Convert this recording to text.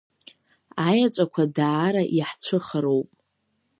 Аеҵәақәа даара иаҳцәыхароуп.